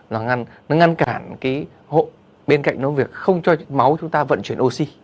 nó ngăn cản cái hộ bên cạnh đó việc không cho máu chúng ta vận chuyển oxy